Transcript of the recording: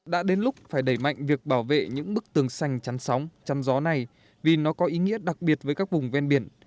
đã đến lúc phải đẩy mạnh việc bảo vệ những bức tường xanh chăn sóng chăn gió này vì nó có ý nghĩa đặc biệt với các vùng ven biển